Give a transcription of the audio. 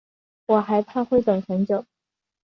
我还怕会等很久